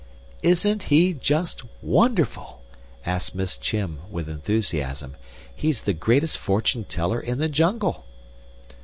"Isn't he just wonderful?" asked Miss Chim, with enthusiasm. "He's the greatest fortune teller in the jungle."